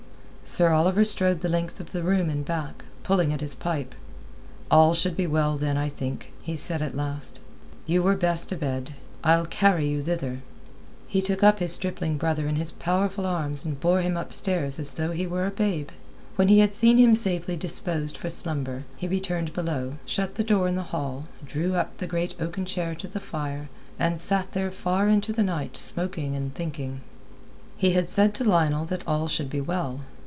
Sir Oliver strode the length of the room and back, pulling at his pipe. "All should be well, then, I think," said he at last. "You were best abed. I'll carry you thither." He took up his stripling brother in his powerful arms and bore him upstairs as though he were a babe. When he had seen him safely disposed for slumber, he returned below, shut the door in the hall, drew up the great oaken chair to the fire, and sat there far into the night smoking and thinking. He had said to Lionel that all should be well.